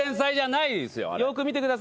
よく見てください。